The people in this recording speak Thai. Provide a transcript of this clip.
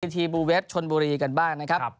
ทีบูเวฟชนบุรีกันบ้างนะครับ